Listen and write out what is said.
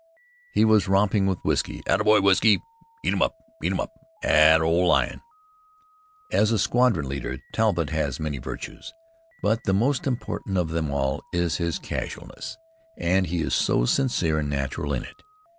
He was romping with Whiskey. "Atta boy, Whiskey! Eat 'em up! Atta ole lion!" As a squadron leader Talbott has many virtues, but the most important of them all is his casualness. And he is so sincere and natural in it.